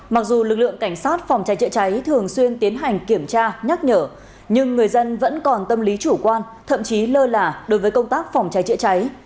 mặc dù lực lượng cảnh sát phòng cháy chữa cháy thường xuyên tiến hành kiểm tra nhắc nhở nhưng người dân vẫn còn tâm lý chủ quan thậm chí lơ là đối với công tác phòng cháy chữa cháy